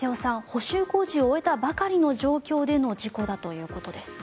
補修工事を終えたばかりの状況での事故だということです。